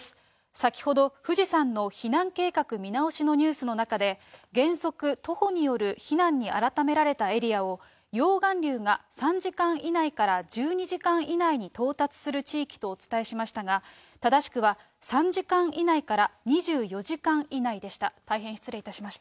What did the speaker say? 先ほど、富士山の避難計画見直しのニュースの中で、原則徒歩による避難に改められたエリアを、溶岩流が３時間以内から１２時間以内に到達する地域とお伝えしましたが、正しくは３時間以内から２４時間以内でした。